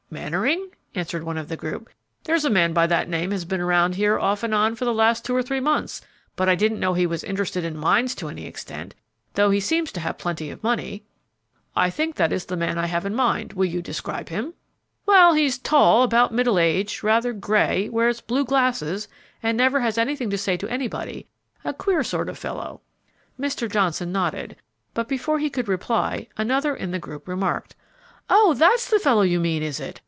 "Mannering?" answered one of the group; "there's a man by that name has been around here off and on for the last two or three months; but I didn't know he was interested in mines to any extent, though he seems to have plenty of money." "I think that is the man I have in mind; will you describe him?" "Well, he's tall, about middle age, rather gray, wears blue glasses, and never has anything to say to anybody; a queer sort of fellow." Mr. Johnson nodded, but before he could reply, another in the group remarked, "Oh, that's the fellow you mean, is it?